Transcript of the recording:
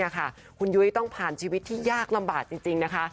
คุณยุ้ยต้องผ่านชีวิตที่ยากลำบากจริงนะคะ